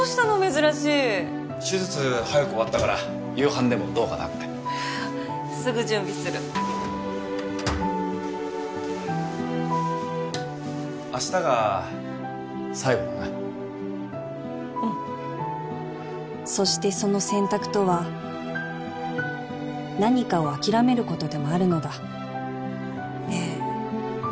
珍しい手術早く終わったから夕飯でもどうかなってすぐ準備する明日が最後だなうんそしてその選択とは何かを諦めることでもあるのだねえ